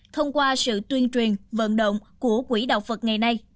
thông qua sự tuyên truyền vận động của quỹ đạo phật ngày nay